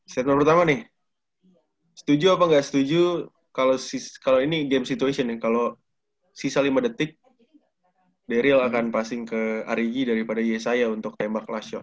setelah pertama nih setuju apa nggak setuju kalau ini game situation ya kalau sisa lima detik daryl akan passing ke ariji daripada yesaya untuk tembak last shot